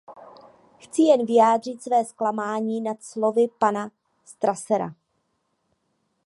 Chci jen vyjádřit své zklamání nad slovy pana Strassera.